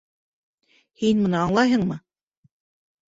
Һин быны аңлайһыңмы?